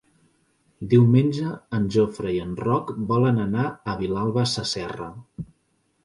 Diumenge en Jofre i en Roc volen anar a Vilalba Sasserra.